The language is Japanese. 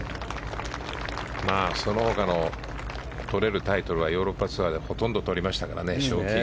その他のとれるタイトルはヨーロッパツアーでほとんどとりましたからね。